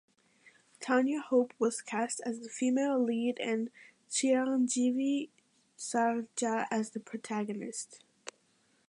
Tanya Hope was cast as the female lead and Chiranjeevi Sarja as the protagonist.